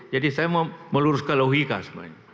saya mau meluruskan logika sebenarnya